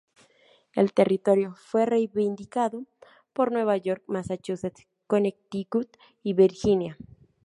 El territorio fue reivindicado por Nueva York, Massachusetts, Connecticut y Virginia.